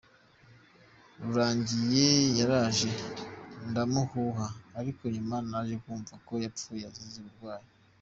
Rurangiye yaraje ndamumuha ariko nyuma naje kumva ko yapfuye azize uburwayi.